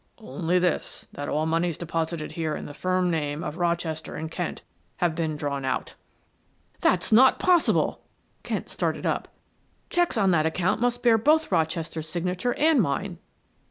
"Only this; that all moneys deposited here in the firm name of Rochester and Kent have been drawn out." "That's not possible!" Kent started up. "Checks on that account must bear both Rochester's signature and mine."